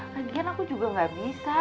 lagian aku juga gak bisa